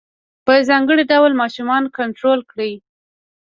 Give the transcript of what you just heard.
په ځانګړي ډول ماشومان کنترول کړي.